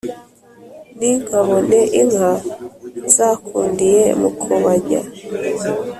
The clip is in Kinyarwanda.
ninkabone inka zakundiye mukobanya